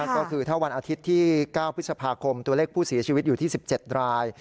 ก็คือถ้าวันอาทิตย์ที่๙พฤษภาคมตัวเลขผู้เสียชีวิตอยู่ที่๑๗ราย